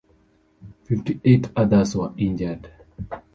Fifty-eight others were injured.